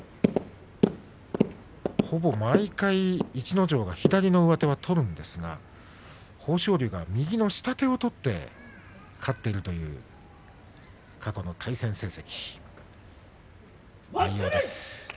ほぼ毎回、逸ノ城が左の上手は取りますが豊昇龍が右の下手を取って勝っているという過去の対戦成績。